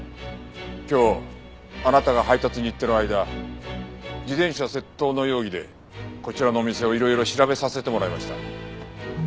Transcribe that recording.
今日あなたが配達に行ってる間自転車窃盗の容疑でこちらの店をいろいろ調べさせてもらいました。